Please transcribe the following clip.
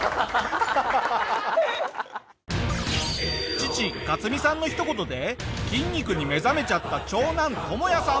父カツミさんのひと言で筋肉に目覚めちゃった長男トモヤさん。